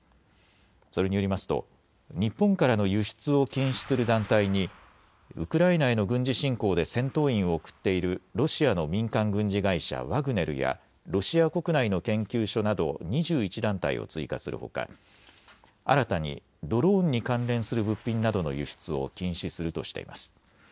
それによりますと日本からの輸出を禁止する団体にウクライナへの軍事侵攻で戦闘員を送っているロシアの民間軍事会社ワグネルやロシア国内の研究所など２１団体を追加するほか、新たにドローンに関連する物品などの輸出を禁止するとしています。